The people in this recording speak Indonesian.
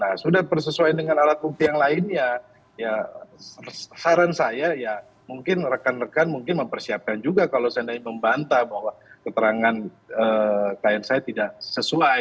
nah sudah persesuaian dengan alat bukti yang lainnya ya saran saya ya mungkin rekan rekan mungkin mempersiapkan juga kalau seandainya membantah bahwa keterangan klien saya tidak sesuai